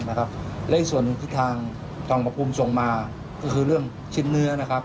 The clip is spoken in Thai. ในส่วนที่ทางปทศส่งมาก็คือเรื่องชิ้นเนื้อนะครับ